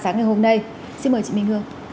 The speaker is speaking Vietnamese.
ngày hôm nay xin mời chị minh hương